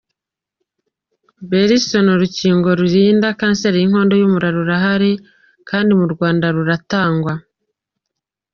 Belson: Urukingo rurinda kanseri y’inkondo y’umura rurahari kandi mu Rwanda ruratangwa.